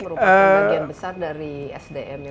merupakan bagian besar dari sdm ya